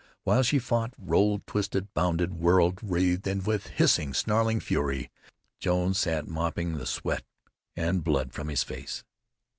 While she fought, rolled, twisted, bounded, whirled, writhed with hissing, snarling fury, Jones sat mopping the sweat and blood from his face.